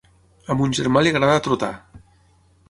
A mon germà li agrada trotar.